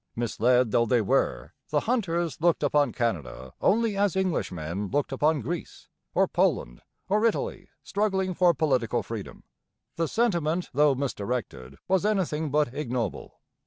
Misled though they were, the 'Hunters' looked upon Canada only as Englishmen looked upon Greece, or Poland, or Italy struggling for political freedom: the sentiment, though misdirected, was anything but ignoble.